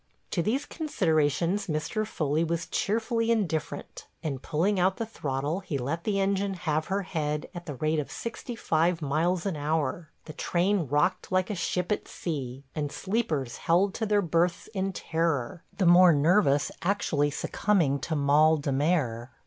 To these considerations Mr. Foley was cheerfully indifferent, and pulling out the throttle he let the engine have her head at the rate of sixty five miles an hour. The train rocked like a ship at sea, and sleepers held to their berths in terror, the more nervous actually succumbing to mal de mer.